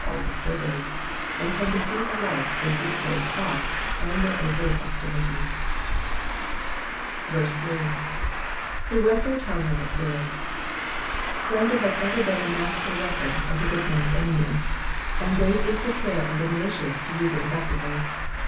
153 all disturbers, and can defeat alike their deep laid plots and their oyert hostilities. 8. ^^Who vihet their tongue like a noard.'*^ Slander has ever been the master weapon of the good man^s enemies, and great is the care of the malicious to use it effectively.